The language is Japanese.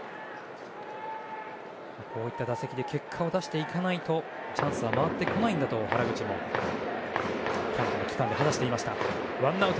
こういった打席で結果を出していかないとチャンスは回ってこないと原口はキャンプで話していました。